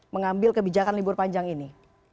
mengambil kebijakan libur panjang ini